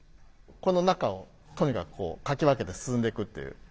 この中をとにかくこうかき分けて進んでいくっていう。